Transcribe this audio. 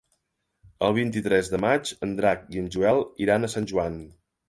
El vint-i-tres de maig en Drac i en Joel iran a Sant Joan.